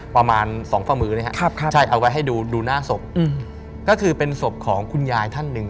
ประมาณสองฝ่ามือนะครับใช่เอาไว้ให้ดูดูหน้าศพก็คือเป็นศพของคุณยายท่านหนึ่ง